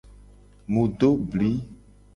Mu do bli.